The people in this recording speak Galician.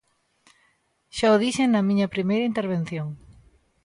Xa o dixen na miña primeira intervención.